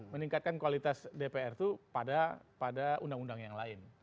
meningkatkan kualitas dpr itu pada undang undang yang lain